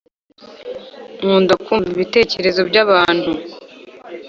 Nkunda kumva ibitekerezo by’abantu